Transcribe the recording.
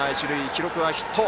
記録はヒット。